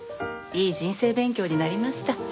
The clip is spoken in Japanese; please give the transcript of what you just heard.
いい人生勉強になりました。